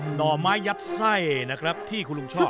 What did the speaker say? ห่อไม้ยัดไส้นะครับที่คุณลุงชอบ